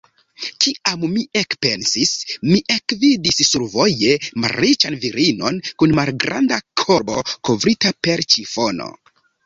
Kiam mi ekpensis, mi ekvidis survoje malriĉan virinon kun malgranda korbo, kovrita per ĉifono.